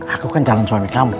aku kan calon suami kamu